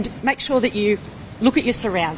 dan pastikan anda melihat lingkungan anda